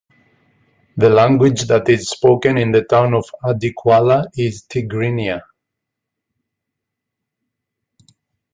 The language that is spoken in the town of Adi Quala is Tigrinya.